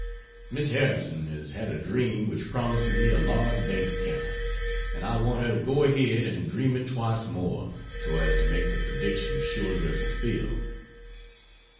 Miss Harrison has had a dream which promises me a large bank account, and I want her to go ahead and dream it twice more, so as to make the prediction sure to be fulfilled.